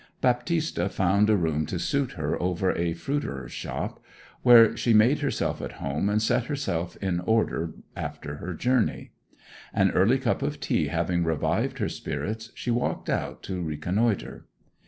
Baptista found a room to suit her over a fruiterer's shop; where she made herself at home, and set herself in order after her journey. An early cup of tea having revived her spirits she walked out to reconnoitre.